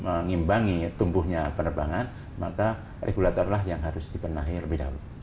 mengimbangi tumbuhnya penerbangan maka regulatorlah yang harus dibenahi lebih jauh